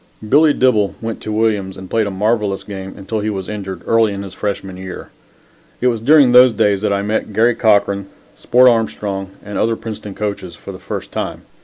Billy Dibble went to Williams and played a marvelous game until he was injured, early in his freshman year. It was during those days that I met Garry Cochran, Sport Armstrong and other Princeton coaches for the first time.